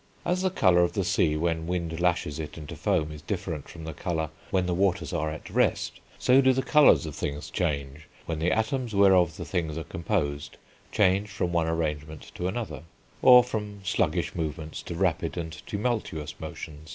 As the colour of the sea when wind lashes it into foam is different from the colour when the waters are at rest, so do the colours of things change when the atoms whereof the things are composed change from one arrangement to another, or from sluggish movements to rapid and tumultuous motions.